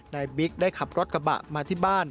บิ๊กได้ขับรถกระบะมาที่บ้าน